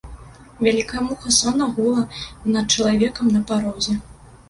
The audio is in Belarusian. Вялікая муха сонна гула над чалавекам на парозе.